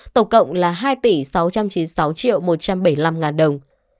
tổng cộng là hai tỷ sáu trăm chín mươi sáu một trăm bảy mươi năm đồng